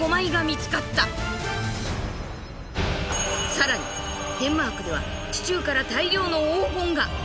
更にデンマークでは地中から大量の黄金が。